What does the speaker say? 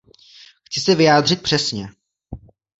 Chci se vyjádřit přesně.